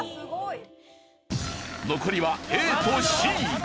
残りはＡとＣ。